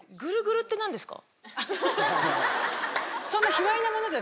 そんな。